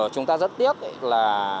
chúng ta rất tiếc là